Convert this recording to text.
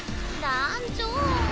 団長。